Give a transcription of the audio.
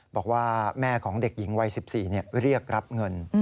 บอกว่าแม่ของเด็กหญิงวัย๑๔เรียกรับเงิน